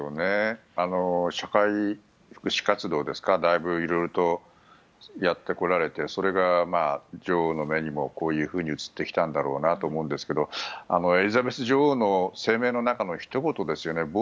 社会福祉活動ですかだいぶいろいろとやってこられてそれが女王の目にもこういうふうに映ってきたんだろうなと思うんですけれどもエリザベス女王の声明の中のひと言ですよね。